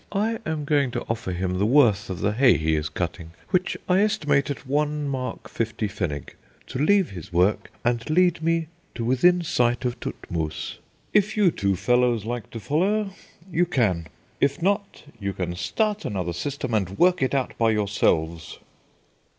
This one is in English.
I am going to offer him the worth of the hay he is cutting, which I estimate at one mark fifty pfennig, to leave his work, and lead me to within sight of Todtmoos. If you two fellows like to follow, you can. If not, you can start another system and work it out by yourselves."